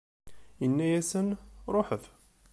Inna-asen: Ṛuḥet!